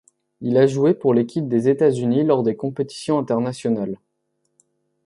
Il a joué pour l'équipe des États-Unis lors des compétitions internationales.